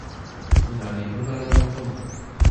ona li lon ala lon tomo?